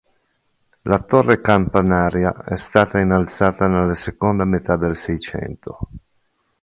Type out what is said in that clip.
La torre campanaria è stata innalzata nella seconda metà del Seicento.